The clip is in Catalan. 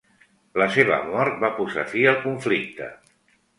La seva mort va posar fi al conflicte.